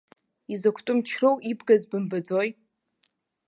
Изакәтәы мчроу ибгаз бымбаӡои?!